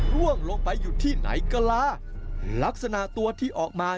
ร่วงลงไปอยู่ที่ไหนก็ลาลักษณะตัวที่ออกมา